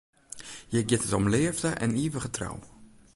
Hjir giet it om leafde en ivige trou.